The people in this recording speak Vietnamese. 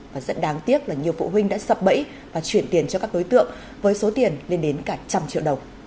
và rất đáng tiếc là nhiều phụ huynh đã sập bẫy và chuyển tiền cho các đối tượng với số tiền lên đến cả trăm triệu đồng